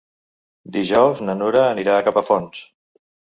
Dijous na Nura anirà a Capafonts.